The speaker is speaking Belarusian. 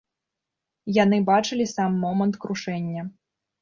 Яны бачылі сам момант крушэння.